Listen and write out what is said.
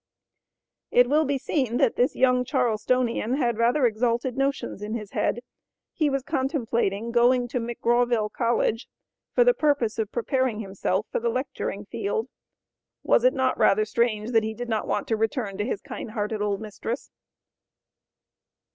It will be seen that this young Charlestonian had rather exalted notions in his head. He was contemplating going to McGrawville College, for the purpose of preparing himself for the lecturing field. Was it not rather strange that he did not want to return to his "kind hearted old mistress?"